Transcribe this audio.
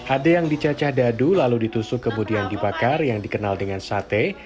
ada yang dicacah dadu lalu ditusuk ke budi yang dibakar yang dikenal dengan sate